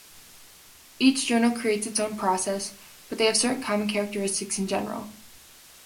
Each journal creates its own process, but they have certain common characteristics in general.